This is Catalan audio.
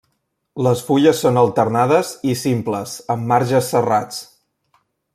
Les fulles són alternades i simples amb marges serrats.